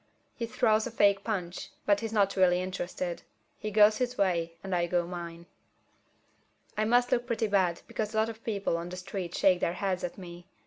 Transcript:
He throws a fake punch, but he's not really interested. He goes his way, and I go mine. I must look pretty bad because a lot of people on the street shake their heads at me.